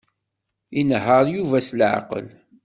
Inehheṛ Yuba s leɛqel.